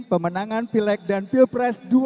pemenangan peleg dan pilpres dua ribu dua puluh empat